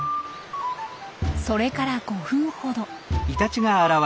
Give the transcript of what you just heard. それから５分ほど。